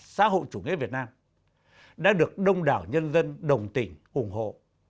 xã hội chủ nghĩa việt nam đã được đông đảo nhân dân đồng tình ủng hộ